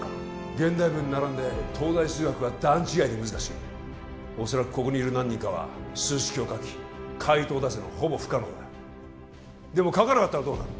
現代文に並んで東大数学は段違いに難しい恐らくここにいる何人かは数式を書き解答を出すのはほぼ不可能だでも書かなかったらどうなる？